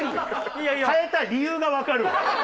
変えた理由がわかるわ。